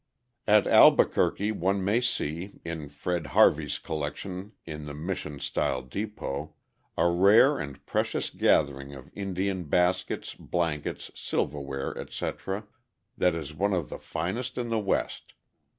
At Albuquerque one may see, in Fred Harvey's collection in the Mission style depot, a rare and precious gathering of Indian baskets, blankets, silverware, etc., that is one of the finest in the West.